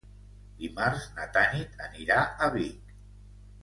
Dimarts na Tanit anirà a Vic.